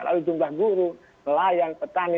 lalu jumlah buruh pelayan petani